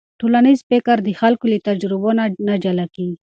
ټولنیز فکر د خلکو له تجربو نه جلا کېږي.